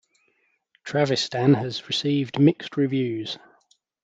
"Travistan" has received mixed reviews.